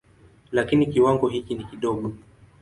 Lakini kiwango hiki ni kidogo.